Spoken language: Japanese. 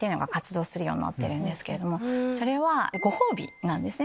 それはご褒美なんですね